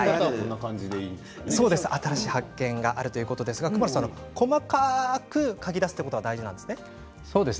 新しい発見があるということで熊野さん、細かく書き出すことが大事なんですね。